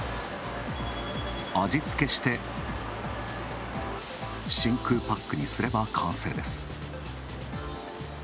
味付けして、真空パックにすれば完成です。